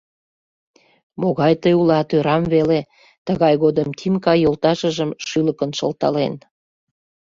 — Могай тый улат, ӧрам веле... — тыгай годым Тимка йолташыжым шӱлыкын шылтален.